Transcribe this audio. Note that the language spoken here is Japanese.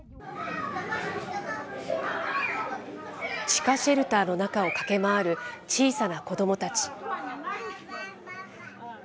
地下シェルターの中を駆け回る小さな子どもたち。